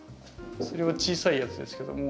それは小さいやつですけども。